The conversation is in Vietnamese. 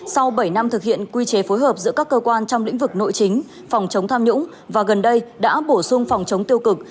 sau bảy năm thực hiện quy chế phối hợp giữa các cơ quan trong lĩnh vực nội chính phòng chống tham nhũng và gần đây đã bổ sung phòng chống tiêu cực